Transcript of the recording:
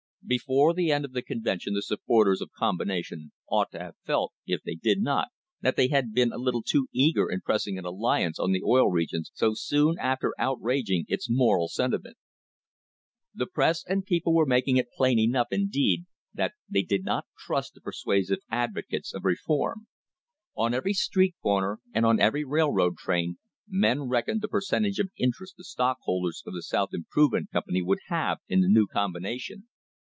Before the end of the convention the supporters of combination ought to have felt, if they did not, that they had been a little too eager in pressing an alliance on the Oil Regions so soon after outraging its moral sentiment. The press and people were making it plain enough, indeed, that they did not trust the persuasive advocates of reform. On every street corner and on every railroad train men reck oned the percentage of interest the stockholders of the South Improvement Company would have in the new combination.